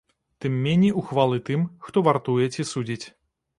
Тым меней ухвалы тым, хто вартуе ці судзіць.